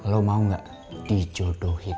lo mau nggak dijodohin